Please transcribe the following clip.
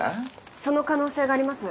その可能性があります。